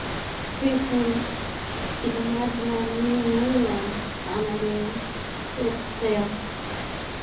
Leif names it Markland meaning "Wood land" and again sets sail.